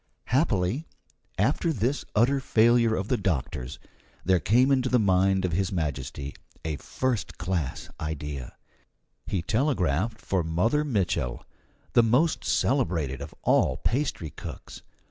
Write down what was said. Happily, after this utter failure of the doctors, there came into the mind of His Majesty a first class idea: he telegraphed for Mother Mitchel, the most celebrated of all pastry cooks.